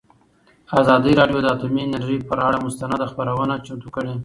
ازادي راډیو د اټومي انرژي پر اړه مستند خپرونه چمتو کړې.